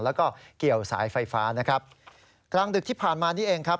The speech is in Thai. แล้วก็เกี่ยวสายไฟฟ้านะครับกลางดึกที่ผ่านมานี่เองครับ